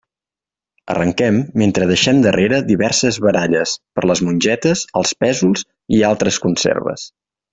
Arrenquem mentre deixem darrere diverses baralles per les mongetes, els pèsols i altres conserves.